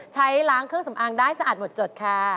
ใช้ล้างเครื่องสำอางได้สะอาดหมดจดค่ะ